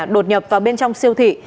đột nhập vào bên trong siêu thị